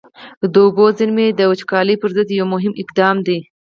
د اوبو زېرمه د وچکالۍ پر ضد یو مهم اقدام دی.